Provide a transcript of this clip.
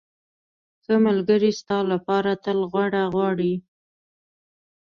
ښه ملګری ستا لپاره تل غوره غواړي.